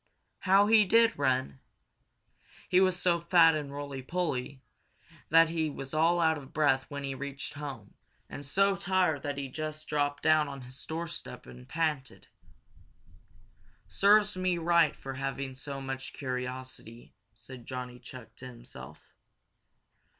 How he did run! He was so fat and roly poly that he was all out of breath when he reached home, and so tired that he just dropped down on his doorstep and panted. "Serves me right for having so much curiosity," said Johnny Chuck to himself.